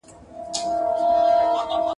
ددې شعر د یوې برخي ویډیو ..